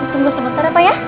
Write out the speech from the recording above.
tunggu sebentar apa ya